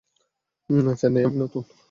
চেন্নাইয়ে আমি নতুন।